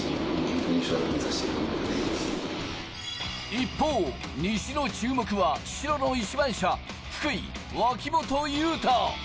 一方、西の注目は白の１番車・福井・脇本雄太。